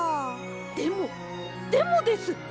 でもでもです！